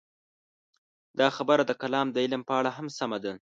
دا خبره د کلام د علم په اړه هم سمه ده.